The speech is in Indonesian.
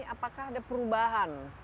apakah ada perubahan